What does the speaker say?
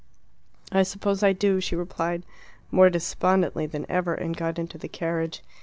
"I suppose I do," she replied, more despondently than ever, and got into the carriage.